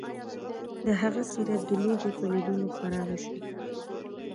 د هغه څیره د لوحې په لیدلو خرابه شوه